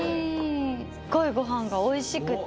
すっごいご飯がおいしくて。